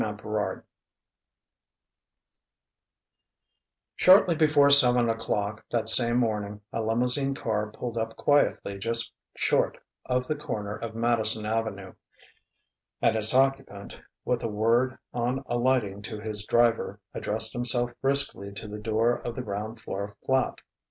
XXXIX Shortly before seven o'clock, that same morning, a limousine car pulled up quietly just short of the corner of Madison Avenue, and its occupant, with a word on alighting to his driver, addressed himself briskly to the door of the ground floor flat.